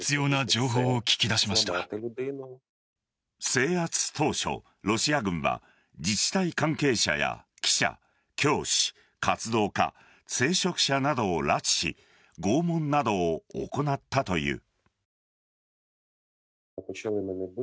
制圧当初、ロシア軍は自治体関係者や記者教師、活動家聖職者などを拉致し拷問などを行ったという。